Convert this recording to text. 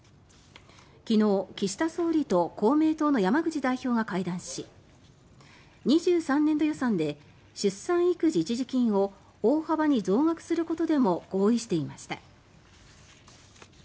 昨日、岸田総理と公明党の山口代表が会談し２３年度予算で出産育児一時金を大幅に増額することでも合意していました。